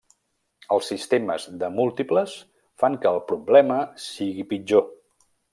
Els sistemes de múltiples fan que el problema sigui pitjor.